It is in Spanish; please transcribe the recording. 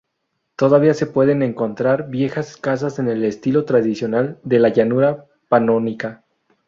Todavía se pueden encontrar viejas casas en el estilo tradicional de la llanura panónica.